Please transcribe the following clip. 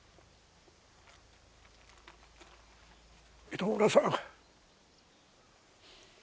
糸村さん。